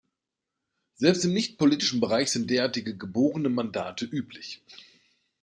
Selbst im nicht politischen Bereich sind derartige geborene Mandate üblich.